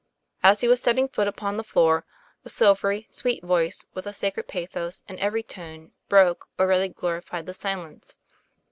As he was setting foot upon the floor, a silvery, sweet voice, with a sacred pathos in every tone, broke, or rather glorified, the silence.